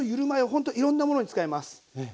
ほんといろんなものに使えます。